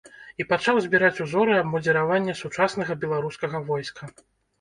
І пачаў збіраць узоры абмундзіравання сучаснага беларускага войска.